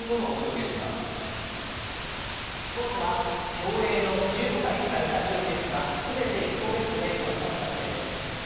スポーツは競泳の１５歳、成田実生選手が全て自己ベストで４冠達成です。